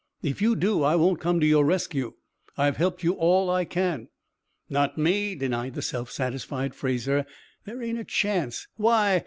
If you do, I won't come to your rescue. I have helped you all I can." "Not me!" denied the self satisfied Fraser. "There ain't a chance. Why?